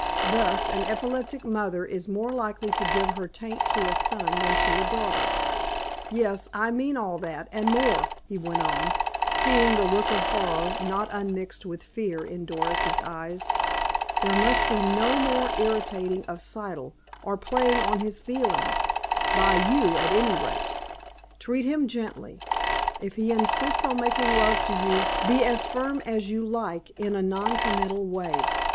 Thus, an epileptic mother is more likely to give her taint to a son than to a daughter.... Yes, I mean all that, and more," he went on, seeing the look of horror, not unmixed with fear, in Doris's eyes. "There must be no more irritating of Siddle, or playing on his feelings—by you, at any rate. Treat him gently. If he insists on making love to you, be as firm as you like in a non committal way.